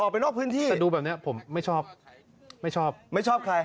ไปนอกพื้นที่แต่ดูแบบนี้ผมไม่ชอบไม่ชอบไม่ชอบใคร